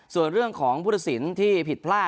ส่วนเรื่องของพุทธศิลป์ที่ผิดพลาด